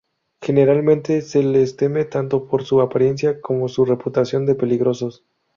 Generalmente se los teme tanto por su apariencia como su reputación de peligrosos.